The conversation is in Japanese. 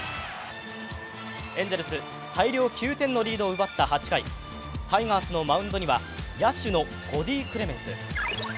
エンゼルス大量９点のリードを奪った８回、タイガースのマウンドには野手のコディ・クレメンス。